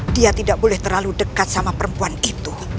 dia tidak boleh terlalu dekat sama perempuan itu